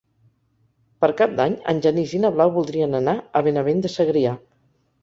Per Cap d'Any en Genís i na Blau voldrien anar a Benavent de Segrià.